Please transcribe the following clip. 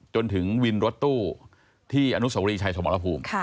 จนถึงวินรถตู้ที่อนุสวรีชัยสมรภูมิ